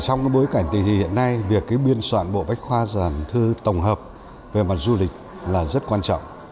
trong bối cảnh tình hình hiện nay việc biên soạn bộ bách khoa don thư tổng hợp về mặt du lịch là rất quan trọng